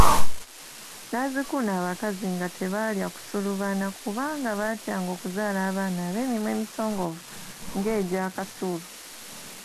Nazzikuno abakazi nga tebalya Kasulubbana kubanga baatyanga okuzaala abaana abeemimwa emisongovu ng'egya Kasulu.